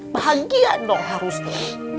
bahagia dong harusnya